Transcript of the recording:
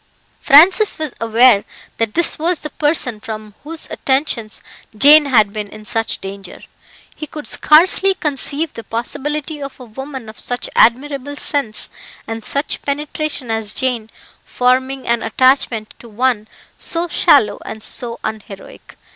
Francis was aware that this was the person from whose attentions Jane had been in such danger. He could scarcely conceive the possibility of a woman of such admirable sense and such penetration as Jane forming an attachment to one so shallow and so unheroic.